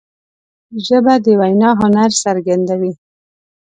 ژبه د وینا هنر څرګندوي